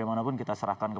kita meningkatkan kebersamaan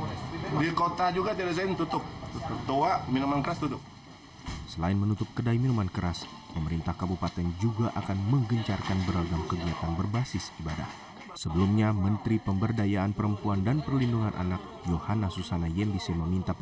bersinergi sehingga masyarakat ini betul betul memahami arti pentingnya keamanan di lingkungannya